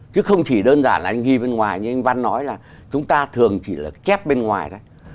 chứ không chỉ đơn giản là anh ghi bên ngoài như anh văn nói là chúng ta thường chỉ là chép bên ngoài đấy